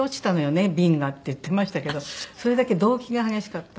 瓶が」って言ってましたけどそれだけ動悸が激しかった。